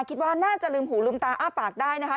คิดว่าน่าจะลืมหูลืมตาอ้าปากได้นะคะ